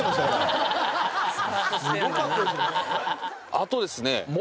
あとですね。